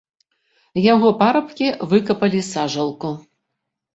Яго парабкі выкапалі сажалку.